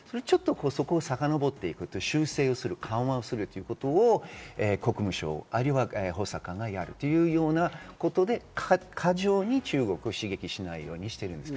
そこをさかのぼっていく、修正する、緩和するということを国務省、あるいは補佐官がやるというようなことで、過剰に中国を刺激しないようにしています。